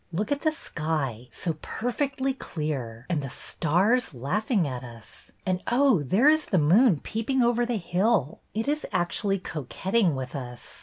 Look at the sky, so perfectly clear, and the stars laughing at us. And, oh! there is the moon peeping over the hill. It is actually coquetting with us.